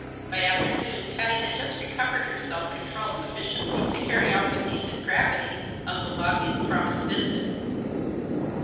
By afternoon Patty had just recovered her self control sufficiently to carry off with decent gravity Uncle Bobby's promised visit.